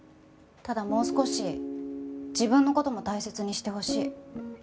ただもう少し自分の事も大切にしてほしい。